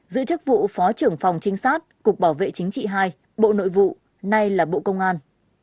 giữ chức vụ phó trưởng phòng trinh sát cục bảo vệ chính trị hai bộ nội vụ nay là bộ công an